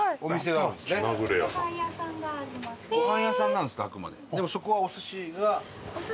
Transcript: ごはん屋さんなんですってあくまで。